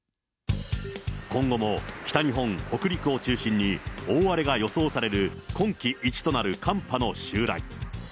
今後も北日本、北陸を中心に、大荒れが予想される今季一となる寒波の襲来。